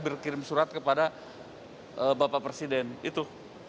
berkirim surat kepada bapak presiden itu